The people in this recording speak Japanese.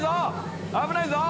危ないぞ！